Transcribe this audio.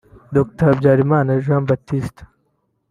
Dr Habyarimana Jean Baptiste